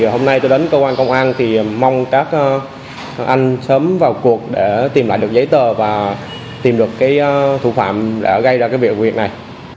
hôm nay tôi đến cơ quan công an thì mong các anh sớm vào cuộc để tìm lại được giấy tờ và tìm được thủ phạm đã gây ra việc này